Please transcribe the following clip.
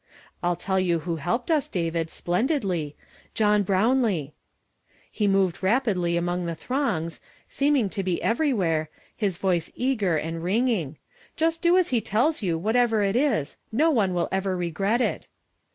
I'll tell you who helped us, David, splendidly, John Brownlee. " He moved rapidly among the throngs, seeming to be everywhere, his voice eager and ringing. ' Do just as he tells you, whatever it is ; no one will ever regret it.'